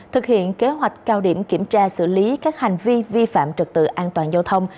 thực hiện kế hoạch cao điểm kiểm tra xử lý các hành vi vi phạm trật tự an toàn giao thông